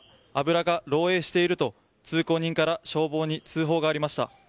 油が漏洩していると通行人から消防に通報がありました。